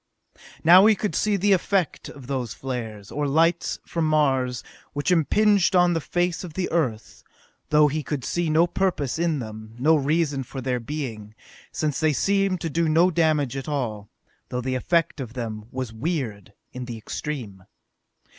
Now he could see the effect of those flares, or lights, from Mars, which impinged on the face of the Earth, though he could see no purpose in them, no reason for their being, since they seemed to do no damage at all, though the effect of them was weird in the extreme.